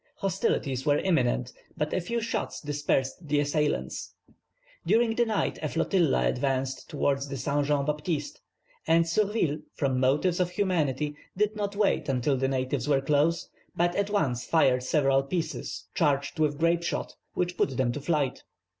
Hostilities were imminent, but a few shots dispersed the assailants. During the night a flotilla advanced towards the Saint Jean Baptiste, and Surville, from motives of humanity, did not wait until the natives were close, but at once fired several pieces charged with grape shot, which put them to flight.